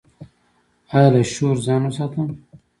ایا له شور ځان وساتم؟